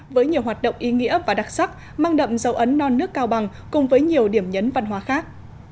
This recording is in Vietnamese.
với nhiều hoạt động ý nghĩa và đặc sắc mang đậm dấu ấn non nước cao bằng cùng với nhiều điểm nhấn văn hóa khác